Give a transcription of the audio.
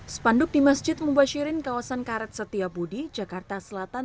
spanduk di masjid mubasyirin kawasan karet setiabudi jakarta selatan